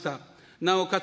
なおかつ